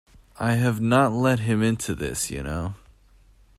I have not let him into this, you know.